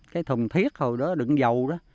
cái thùng thiết hồi đó đựng dầu đó